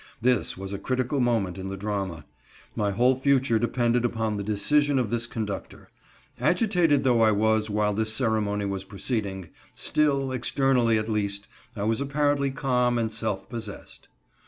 This was a critical moment in the drama. My whole future depended upon the decision of this conductor. Agitated though I was while this ceremony was proceeding, still, externally, at least, I was apparently calm and self possessed.